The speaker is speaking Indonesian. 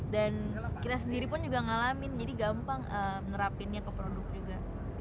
dan kita sendiri pun juga ngalamin jadi gampang menerapinnya ke produk juga